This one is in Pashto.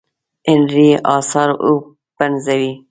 هنري آثار وپنځوي.